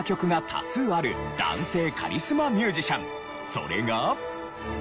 それが。